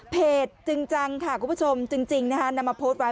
จริงจังค่ะคุณผู้ชมจริงนะฮะนำมาโพสต์ไว้